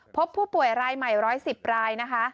พบผู้ป่วยรายใหม่๑๑๐รายนะคะ